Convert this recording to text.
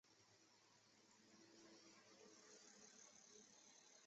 信丰县是中国江西省赣州市所辖的一个县。